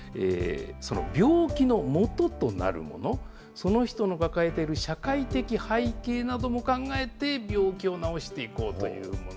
病気のもととなるもの、その人の抱えている社会的背景なども考えて、病気を治していこうというもの。